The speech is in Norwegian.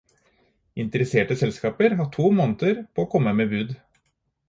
Interesserte selskaper har to måneder på å komme med bud.